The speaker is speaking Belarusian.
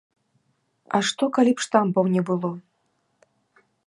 А што калі б штампаў не было?